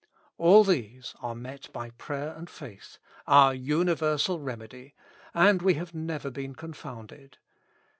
All these are met by prayer and faith, our universal remedy ; and we have never been confounded.